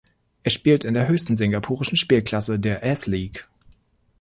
Er spielt in der höchsten singapurischen Spielklasse, der S-League.